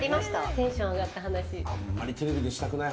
テンション上がった話。